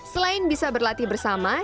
selain bisa berlatih bersama